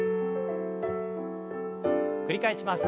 繰り返します。